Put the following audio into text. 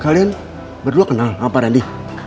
kalian berdua kenal apa randy